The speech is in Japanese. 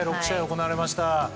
６試合行われました。